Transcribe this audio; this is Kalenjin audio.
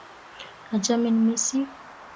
achamin misiing